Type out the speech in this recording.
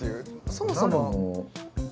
そもそも何？